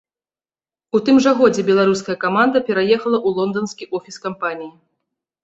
У тым жа годзе беларуская каманда пераехала ў лонданскі офіс кампаніі.